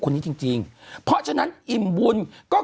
คุณหนุ่มกัญชัยได้เล่าใหญ่ใจความไปสักส่วนใหญ่แล้ว